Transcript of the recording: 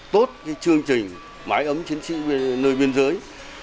tốt chương trình máy ấm chiến sĩ nơi biên giới